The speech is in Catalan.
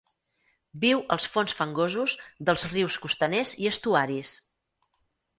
Viu als fons fangosos dels rius costaners i estuaris.